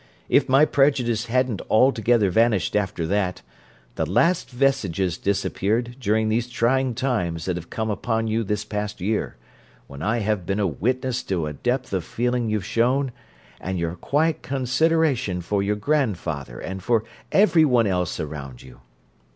If my prejudice hadn't altogether vanished after that, the last vestiges disappeared during these trying times that have come upon you this past year, when I have been a witness to the depth of feeling you've shown and your quiet consideration for your grandfather and for everyone else around you.